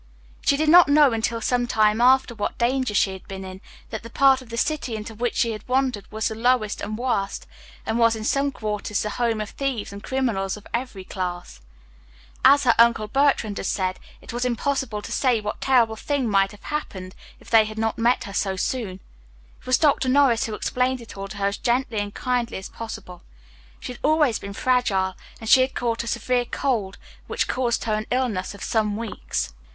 She did not know until some time after what danger she had been in, that the part of the city into which she had wandered was the lowest and worst, and was in some quarters the home of thieves and criminals of every class. As her Uncle Bertrand had said, it was impossible to say what terrible thing might have happened if they had not met her so soon. It was Dr. Norris who explained it all to her as gently and kindly as was possible. She had always been fragile, and she had caught a severe cold which caused her an illness of some weeks.